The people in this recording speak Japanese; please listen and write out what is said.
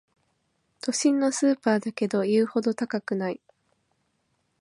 都心のスーパーだけど言うほど高くない